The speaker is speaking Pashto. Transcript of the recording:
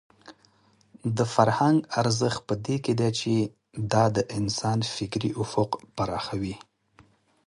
د فرهنګ ارزښت په دې کې دی چې دا د انسان فکري افق پراخوي.